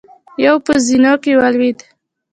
يو په زينو کې ولوېد.